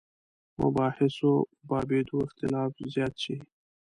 مباحثو بابېدو اختلاف زیات شي.